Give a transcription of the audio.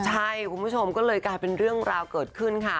ใช่คุณผู้ชมก็เลยกลายเป็นเรื่องราวเกิดขึ้นค่ะ